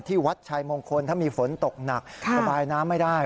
วัดชายมงคลถ้ามีฝนตกหนักระบายน้ำไม่ได้